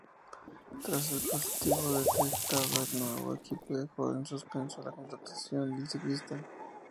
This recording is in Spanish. Tras el positivo detectado el nuevo equipo dejó en suspenso la contratación del ciclista.